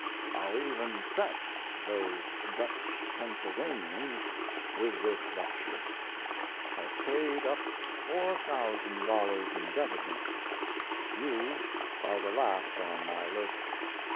I'll even "fetch" those Dutch Pennsylvanians with this lecture. Have paid up $4,000 indebtedness. You are the last on my list.